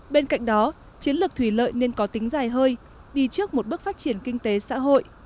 bên cạnh đó chiến lược thủy lợi nên có tính dài hơi đi trước một bước phát triển kinh tế xã hội